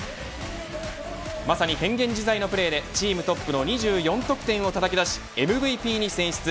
まさに変幻自在のプレーでチームトップの２４得点をたたき出しＭＶＰに選出。